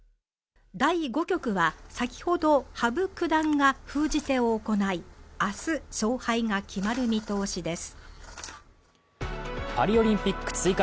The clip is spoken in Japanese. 第５局は先ほど、羽生九段が封じ手を行い明日、勝敗が決まる見通しです。